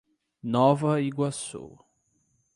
Nova Iguaçu